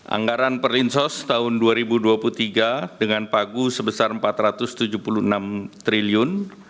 anggaran perlinsos tahun dua ribu dua puluh tiga dengan pagu sebesar rp empat ratus tujuh puluh enam triliun